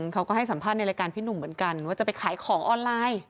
เขาก็ให้สัมภาษณ์ในรายการพี่หนุ่มเหมือนกันว่าจะไปขายของออนไลน์